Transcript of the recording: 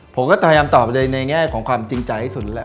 ผมก็พยายามตอบไปเลยในแง่ของความจริงใจที่สุดแหละ